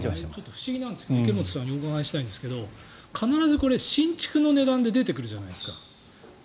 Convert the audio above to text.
不思議なんですけど池本さんに伺いたいんですけど必ず新築の値段で出てくるじゃないですか。